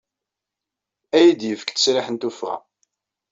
Ad iyi-d-yefk ttesriḥ n tuffɣa.